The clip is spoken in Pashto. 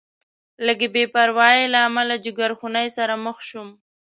لږې بې پروایۍ له امله جیګرخونۍ سره مخ شوم.